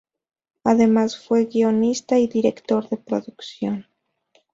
Además fue guionista y director de producción.